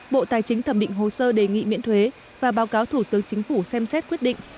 bộ tài chính thẩm định hồ sơ đề nghị miễn thuế và báo cáo thủ tướng chính phủ xem xét quyết định